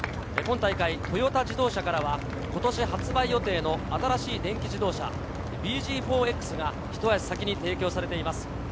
今大会、トヨタ自動車からは今年発売予定の新しい電気自動車ｂＺ４Ｘがひと足先に提供されています。